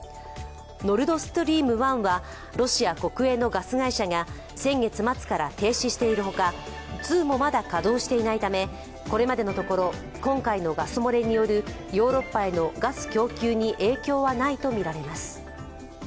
ノルドストリーム１はロシア国営のガス会社が先月末から停止しているほか２もまだ稼働していないため、これまでのところ今回のガス漏れによるヨーロッパへのガス供給に影響はないとみられます。